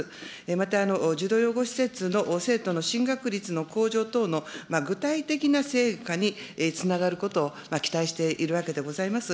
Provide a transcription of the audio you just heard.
また児童養護施設の生徒の進学率の向上等の具体的な成果につながることを期待しているわけでございます。